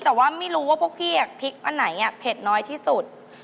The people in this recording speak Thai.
แต่ว่าไม่รู้ว่าพวกพี่พริกอันไหนเผ็ดน้อยที่สุด